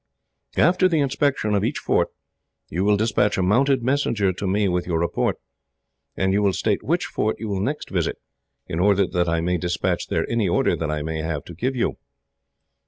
"After the inspection of each fort, you will despatch a mounted messenger to me with your report; and you will state which fort you will next visit, in order that I may despatch there any order that I may have to give you.